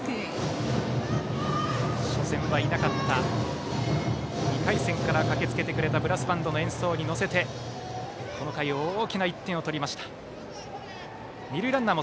初戦はいなかった２回戦から駆けつけてくれたブラスバンドの演奏に乗せてこの回大きな１点を取りました。